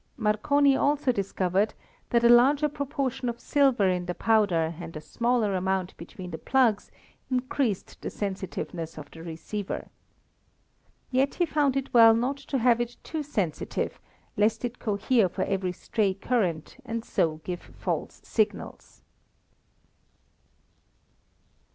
Marconi also discovered that a larger proportion of silver in the powder and a smaller amount between the plugs increased the sensitiveness of the receiver. Yet he found it well not to have it too sensitive lest it cohere for every stray current and so give false signals.